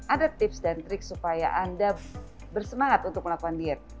ada tips dan trik supaya anda bersemangat untuk melakukan diet